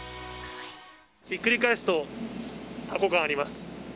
ひっくり返すとタコ感あります。